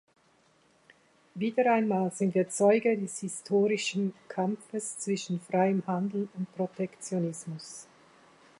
Wieder einmal sind wir Zeuge des historischen Kampfes zwischen freiem Handel und Protektionismus.